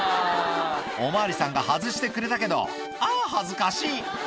お巡りさんが外してくれたけどあぁ恥ずかしい！